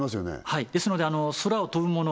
はいですので空を飛ぶもの